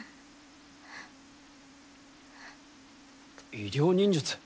医療忍術？